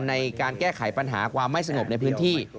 ในการแก้ไขปัญหาความไม่สงบในพื้นที่